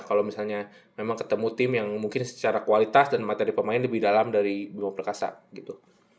kalau misalnya memang ketemu tim yang mungkin secara kualitas dan materi pemain lebih dalam dari bima perkasa gitu